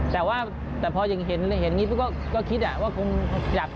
แต่ว่าแต่พอยังเห็นเห็นอย่างงี้ก็ก็คิดอ่ะว่าคงจับ